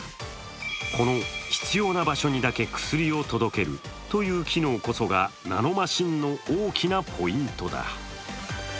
この必要な場所にだけ薬を届けるという機能こそがナノマシンの大きなポイントだ。